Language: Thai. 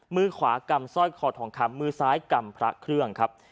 มือขวากำสร้อยคอทองคำมือซ้ายกำพระเครื่องครับ